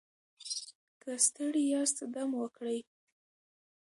که ستړي یاست دم وکړئ.